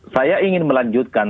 saya ingin melanjutkan